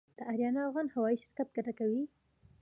د اریانا افغان هوايي شرکت ګټه کوي؟